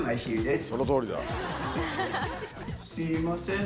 すみません。